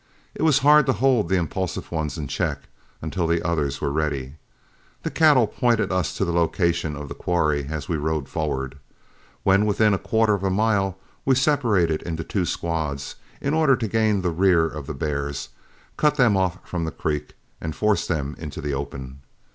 It was hard to hold the impulsive ones in check until the others were ready. The cattle pointed us to the location of the quarry as we rode forward. When within a quarter of a mile, we separated into two squads, in order to gain the rear of the bears, cut them off from the creek, and force them into the open.